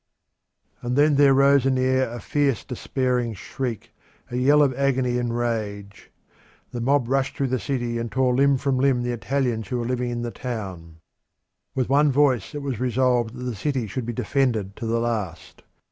And then there rose in the air a fierce, despairing shriek, a yell of agony and rage. The mob rushed through the city and tore limb from limb the Italians who were living in the town. With one voice it was resolved that the city should be defended to the last.